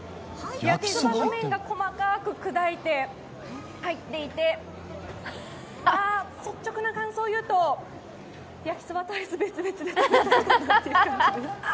焼きそばの麺が細かく砕いて入っていて、ああ、率直な感想を言うと焼きそばとアイス、別々で食べたいです